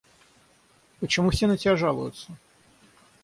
Почему все на тебя жалуются?